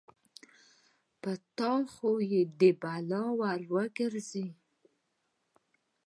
په تا خو دې يې بلا وګرځې.